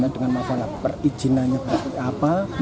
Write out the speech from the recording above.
dengan masalah perizinannya seperti apa